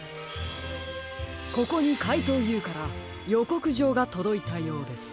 ここにかいとうＵからよこくじょうがとどいたようです。